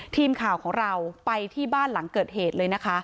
ทีมข่าวของเราไปที่บ้านหลังเกิดเหตุเลยนะคะ